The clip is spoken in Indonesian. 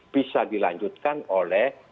bisa dilanjutkan oleh